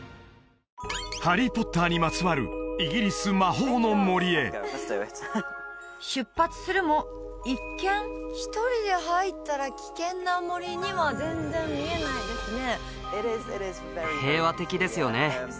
「ハリー・ポッター」にまつわるイギリス魔法の森へ出発するも一見１人で入ったら危険な森には全然見えないですね